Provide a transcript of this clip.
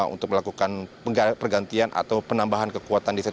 untuk melakukan penambahan kekuatan